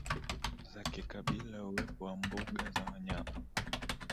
za kikabila Uwepo wa mbuga za wanyama